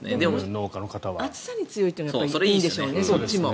暑さに強いというのはいいんでしょうね。